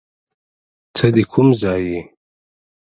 ته ده کوم ځای یې